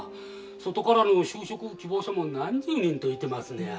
外からの就職希望者も何十人といてますねや。